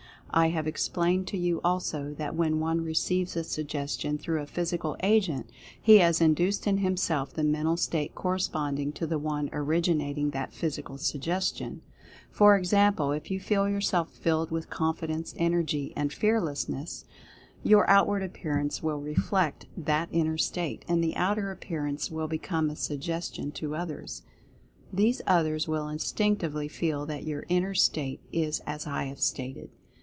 I have explained to you, also, that when one receives a Suggestion through a Physical agent, he has induced in himself the mental state corresponding to the one originating that Physical Suggestion. For example, if you feel yourself filled with Confidence, Energy and Fearlessness, your outward appearance will reflect 208 Mental Fascination that inner state, and the outer appearance will become a Suggestion to others. These others will instinctively feel that your inner state is as I have stated.